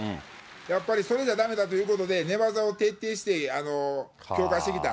やっぱりそれじゃだめだということで、寝技を徹底して強化してきた。